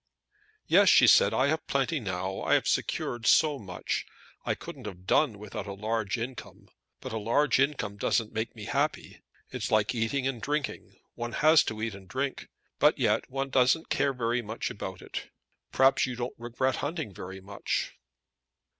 "Yes," she said, "I have plenty now. I have secured so much. I couldn't have done without a large income; but a large income doesn't make me happy. It's like eating and drinking. One has to eat and drink, but yet one doesn't care very much about it. Perhaps you don't regret hunting very much?"